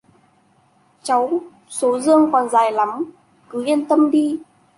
cháu số dương còn dài lắm cứ yên tâm đi